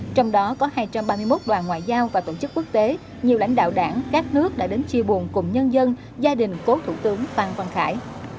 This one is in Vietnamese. trong đó có hai trăm ba mươi một đoàn ngoại giao và tổ chức quốc tế nhiều lãnh đạo đảng các nước đã đến chia buồn cùng nhân dân gia đình cố thủ tướng phan văn khải